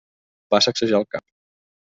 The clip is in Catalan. Va sacsejar el cap.